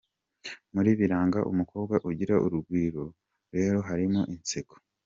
Mu biranga umukobwa ugira urugwiro rero, harimo inseko.